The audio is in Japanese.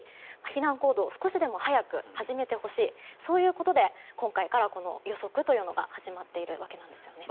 避難行動を少しでも早く始めてほしいということで今回からこの予測というのが始まっているわけなんですよね。